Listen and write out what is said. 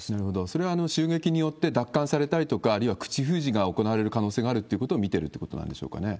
それは襲撃によって奪還されたりとか、あるいは口封じが行われる可能性があるということを見てるということなんでしょうかね？